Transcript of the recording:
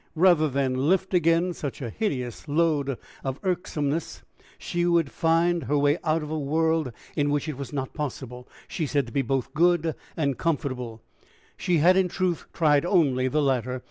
Rather than lift again such a hideous load of irksomeness, she would find her way out of a world in which it was not possible, she said, to be both good and comfortable: she had, in truth, tried only the latter.